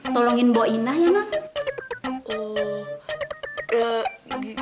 tolongin mbok inah ya non kimi